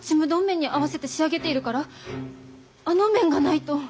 麺に合わせて仕上げているからあの麺がないと。